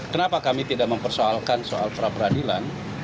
kenapa kami tidak mempersoalkan soal pra peradilan